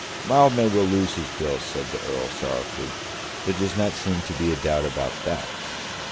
"Mildmay will lose his bill," said the Earl, sorrowfully. "There does not seem to be a doubt about that."